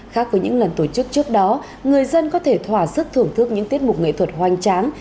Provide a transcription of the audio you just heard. khác với những lần tổ chức trước đó người dân có thể thỏa sức thưởng thức những tiết mục nghệ thuật hoành tráng